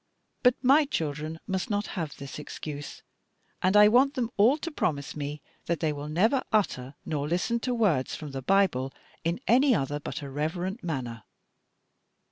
But my children must not have this excuse, and I want them all to promise me that they will never utter nor listen to words from the Bible in any other but a reverent manner."